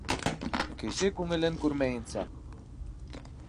Кеше күңелен күрмәйенсә